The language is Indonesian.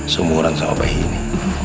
semurang sama bayi ini